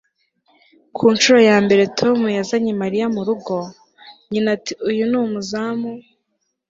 ku nshuro ya mbere tom yazanye mariya mu rugo, nyina ati uyu ni umuzamu